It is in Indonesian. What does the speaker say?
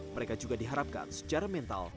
mereka juga diharapkan secara mental